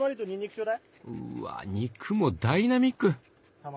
うわ肉もダイナミック！